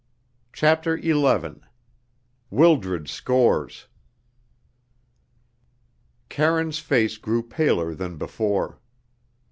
CHAPTER XI Wildred Scores Karine's face grew paler than before.